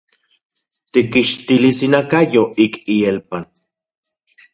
Tikkixtilis inakayo ik ielpan.